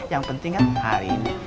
yang penting kan hari ini